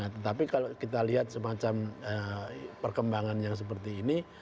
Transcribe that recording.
tetapi kalau kita lihat semacam perkembangan yang seperti ini